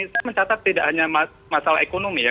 saya mencatat tidak hanya masalah ekonomi ya